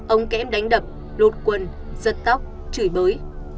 ông kém đánh đập lột quần giật tóc chửi bới